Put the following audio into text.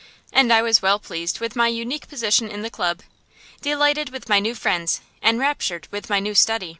And I was well pleased with my unique position in the club, delighted with my new friends, enraptured with my new study.